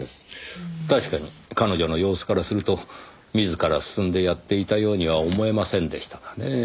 確かに彼女の様子からすると自ら進んでやっていたようには思えませんでしたがねぇ。